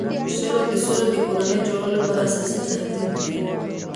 سوله د سولې د کورنۍ جوړولو لپاره اساسي تهدید دی.